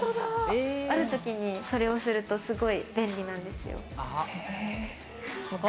あるときに、それをすると、すごく便利なんですよ。